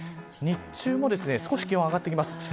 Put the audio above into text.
日中も少し気温が上がってきます。